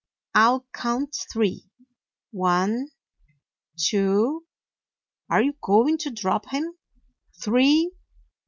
"I 'll count three. One — two — are you going to drop him? — three!"